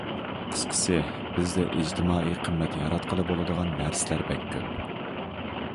قىسقىسى، بىزدە ئىجتىمائىي قىممەت ياراتقىلى بولىدىغان نەرسىلەر بەك كۆپ.